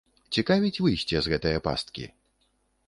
Цікавіць выйсце з гэтае пасткі?